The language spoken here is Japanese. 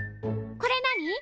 これ何？